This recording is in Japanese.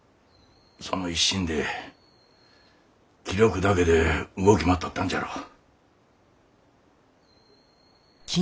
その一心で気力だけで動き回っとったんじゃろう。